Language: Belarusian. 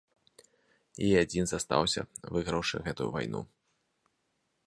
І адзін застаўся, выйграўшы гэтую вайну.